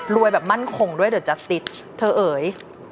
แบบมั่นคงด้วยเดี๋ยวจะติดเธอเอ๋ย